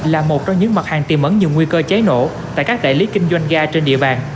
là một trong những mặt hàng tiềm mẩn nhiều nguy cơ cháy nổ tại các đại lý kinh doanh ga trên địa bàn